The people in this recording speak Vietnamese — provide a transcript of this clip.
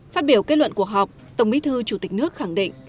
phát biểu kết luận cuộc họp tổng bí thư chủ tịch nước khẳng định